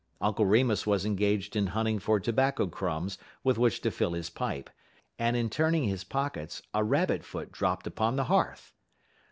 Uncle Remus was engaged in hunting for tobacco crumbs with which to fill his pipe, and in turning his pockets a rabbit foot dropped upon the hearth.